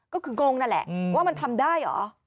ก็คืองงนั่นแหละว่ามันทำได้เหรอ